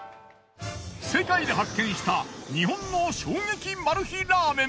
世界で発見した日本の衝撃マル秘ラーメン。